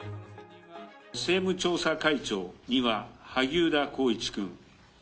政務調査会長には萩生田光一君。